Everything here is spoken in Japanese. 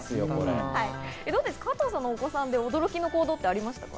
加藤さんのお子さんで驚きの行動はありましたか？